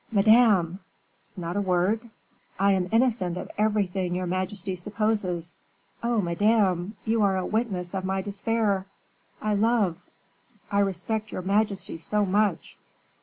"Madame!" "Not a word?" "I am innocent of everything your majesty supposes. Oh, madame! you are a witness of my despair. I love, I respect your majesty so much."